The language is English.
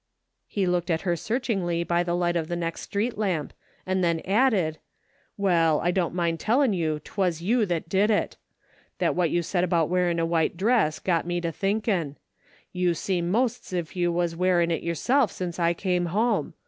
He looked at her searchingly by the light of the next street lamp, and then added, " Well, I don't mind tollin' you 'twas you that did it. That what you said about wearin' a white dress got me to thinkin'. You seem most's if you Avas Avearin' it yourself since I come home.